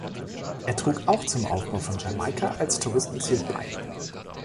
Er trug auch zum Aufbau von Jamaika als Touristenziel bei.